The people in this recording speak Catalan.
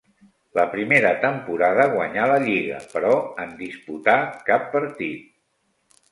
La primera temporada guanyà la lliga però en disputà cap partit.